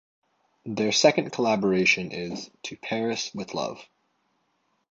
Their second collaboration is "To Paris With Love".